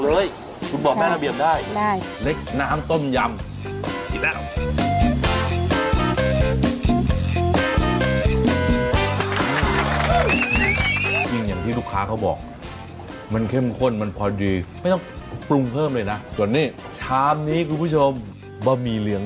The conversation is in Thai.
อร่อยนะคือเป็นรสชาติที่ไม่ต้องพรุงเพิ่มเลยอร่อยจริง